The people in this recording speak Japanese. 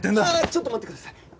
ああっちょっと待ってください。